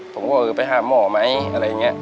ผมก็เออไปหาหมอไหมอะไรอย่างนี้